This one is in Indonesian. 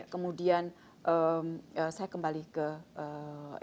kemudian saya kembali ke indonesia